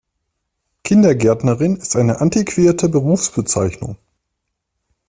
Kindergärtnerin ist eine antiquerte Berufsbezeichnung.